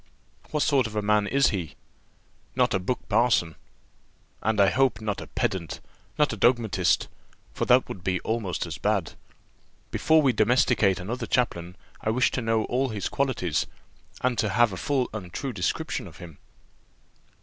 "What sort of a man is he?" "Not a buck parson." "And I hope not a pedant, not a dogmatist, for that would be almost as bad. Before we domesticate another chaplain, I wish to know all his qualities, and to have a full and true description of him."